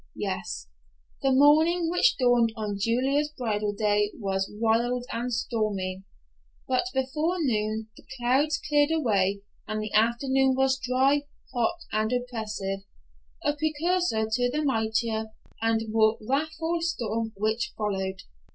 Yes, the morning which dawned on Julia's bridal day was wild and stormy, but before noon the clouds cleared away and the afternoon was dry, hot and oppressive, a precursor to the mightier and more wrathful storm which followed.